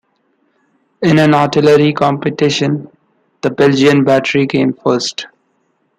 In an artillery competition, the Belgian battery came first.